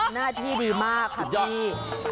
หน้าที่ดีมากค่ะพี่